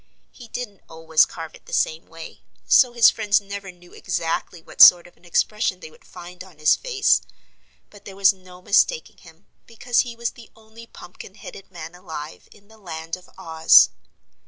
He didn't always carve it the same way, so his friends never knew exactly what sort of an expression they would find on his face. But there was no mistaking him, because he was the only pumpkin headed man alive in the Land of Oz.